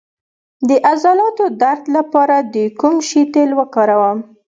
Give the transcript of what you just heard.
د عضلاتو درد لپاره د کوم شي تېل وکاروم؟